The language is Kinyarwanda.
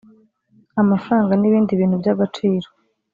amafaranga n ibindi bintu by agaciro